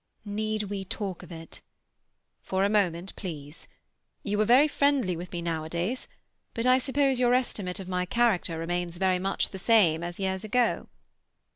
"Need we talk of it?" "For a moment, please. You are very friendly with me nowadays, but I suppose your estimate of my character remains very much the same as years ago?"